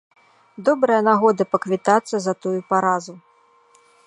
Добрая нагода паквітацца за тую паразу.